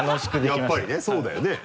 やっぱりねそうだよね。